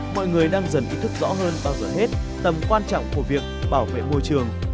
mọi người đang dần ý thức rõ hơn bao giờ hết tầm quan trọng của việc bảo vệ môi trường